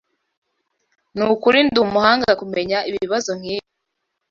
Nukuri ndumuhanga kumenya ibibazo nkibi.